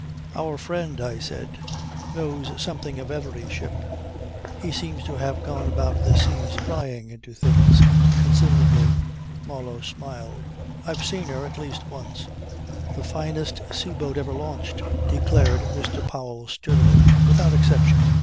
"Our friend," I said, "knows something of every ship. He seems to have gone about the seas prying into things considerably." Marlow smiled. "I've seen her, at least once." "The finest sea boat ever launched," declared Mr. Powell sturdily. "Without exception."